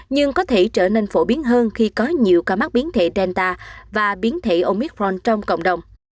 nhưng có thể trở nên phổ biến hơn khi có nhiều ca mắc biến thể denta và biến thể omitron trong cộng đồng